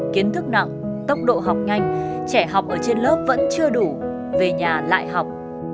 kiến thức nặng tốc độ học nhanh trẻ học ở trên lớp vẫn chưa đủ về nhà lại học